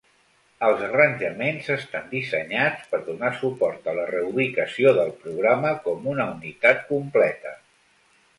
Els arranjaments estan dissenyats per donar suport a la reubicació del programa com una unitat completa.